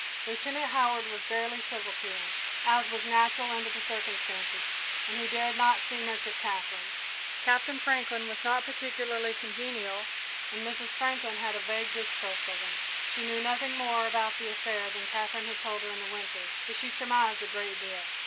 Lieutenant Howard was barely civil to him, as was natural under the circumstances, and he dared not see much of Katherine. Captain Franklin was not particularly congenial, and Mrs. Franklin had a vague distrust of him. She knew nothing more about the affair than Katherine had told her in the winter, but she surmised a great deal.